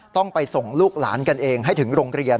ต้องไปส่งลูกหลานกันเองให้ถึงโรงเรียน